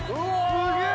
すげえ！